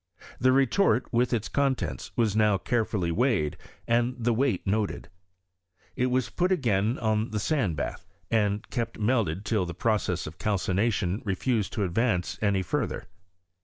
The retort, with its contents, was now carefully weighed, and the weight * noted. It was put again on the sand bath, and kept melted till the process of calcination refused to advance any further.